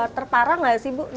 terparah gak sih ibu